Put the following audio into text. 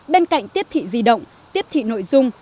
bên cạnh tiếp thị di động tiếp thị nội dung